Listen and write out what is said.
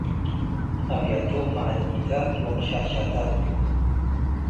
አብያቶም መዐደኒታት ወቅሻሻታት ቱ ።